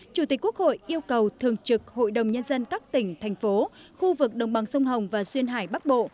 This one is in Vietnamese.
chủ tịch quốc hội yêu cầu thường trực hội đồng nhân dân các tỉnh thành phố khu vực đồng bằng sông hồng và duyên hải bắc bộ